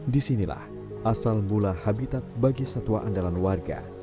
disinilah asal mula habitat bagi satwa andalan warga